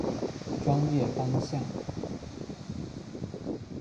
专业方向。